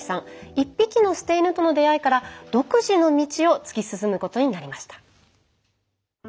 １匹の捨て犬との出会いから独自の道を突き進むことになりました。